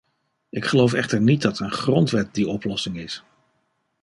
Ik geloof echter niet dat een grondwet die oplossing is.